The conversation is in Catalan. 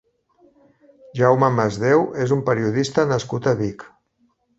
Jaume Masdeu és un periodista nascut a Vic.